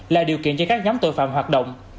là điều kiện cho các nhóm tội phạm hoạt động